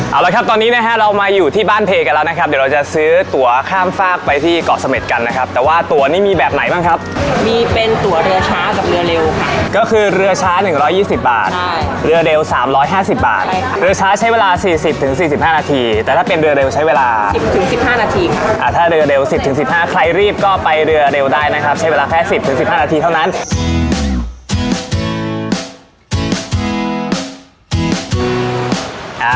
เอาละครับตอนนี้นะฮะเรามาอยู่ที่บ้านเพกันแล้วนะครับเดี๋ยวเราจะซื้อตัวข้ามฝากไปที่เกาะสเม็ดกันนะครับแต่ว่าตัวนี้มีแบบไหนบ้างครับมีเป็นตัวเรือช้ากับเรือเร็วค่ะก็คือเรือช้า๑๒๐บาทเรือเร็ว๓๕๐บาทเรือช้าใช้เวลา๔๐๔๕นาทีแต่ถ้าเป็นเรือเร็วใช้เวลา๑๐๑๕นาทีถ้าเรือเร็ว๑๐๑๕นาทีใครรีบก็ไป